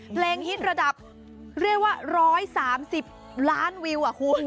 ฮิตระดับเรียกว่า๑๓๐ล้านวิวอ่ะคุณ